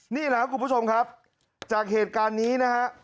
นี่แหละครับคุณผู้ชมครับจากเหตุการณ์นี้นะฮะ